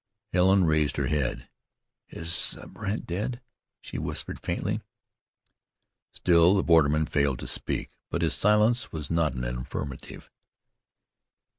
Helen raised her head. "Is Brandt dead?" she whispered faintly. Still the borderman failed to speak, but his silence was not an affirmative.